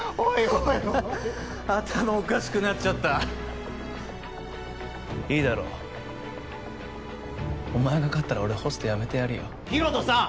おい頭おかしくなっちゃったいいだろうお前が勝ったら俺ホストやめてやるよヒロトさん！